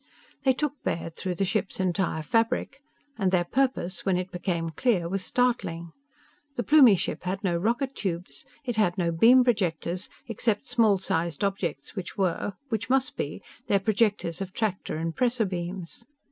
They took Baird through the ship's entire fabric. And their purpose, when it became clear, was startling. The Plumie ship had no rocket tubes. It had no beam projectors except small sized objects which were which must be their projectors of tractor and pressor beams.